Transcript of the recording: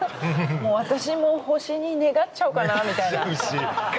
もう私も星に願っちゃおうかなみたいな。